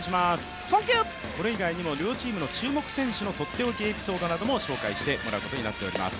これ以外にも両チームの注目選手のとっておきエピソードなども紹介してもらいます。